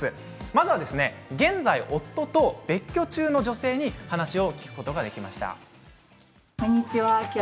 まずは現在、夫と別居中の女性に話を聞くことができました。